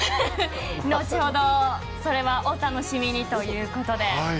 後ほど、それはお楽しみにということで。